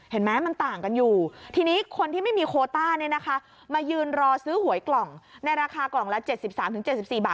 เห็นไหมมันต่างกันอยู่ทีนี้คนที่ไม่มีโคต้าเนี่ยนะคะมายืนรอซื้อหวยกล่องในราคากล่องละ๗๓๗๔บาท